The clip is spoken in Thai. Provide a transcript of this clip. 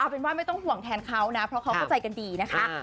เป็นว่าไม่ต้องห่วงแทนเขานะเพราะเขาเข้าใจกันดีนะคะ